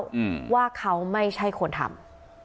อืมว่าเขาไม่ใช่คนทำ